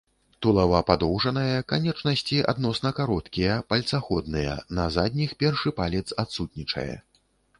Тулава падоўжанае, канечнасці адносна кароткія, пальцаходныя, на задніх першы палец адсутнічае.